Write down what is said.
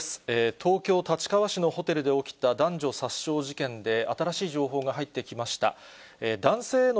東京・立川市のホテルで起きた男女殺傷事件で、新しい情報が入ってきました。